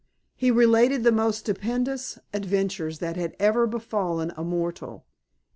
He related the most stupendous adventures that had ever befallen a mortal.